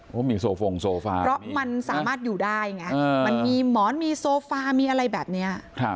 เพราะมีโซฟงโซฟาเพราะมันสามารถอยู่ได้ไงมันมีหมอนมีโซฟามีอะไรแบบนี้